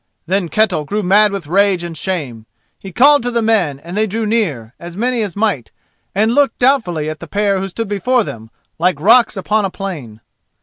Then Ketel grew mad with rage and shame. He called to the men, and they drew near, as many as might, and looked doubtfully at the pair who stood before them like rocks upon a plain.